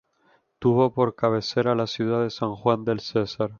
Tuvo por cabecera a la ciudad de San Juan del Cesar.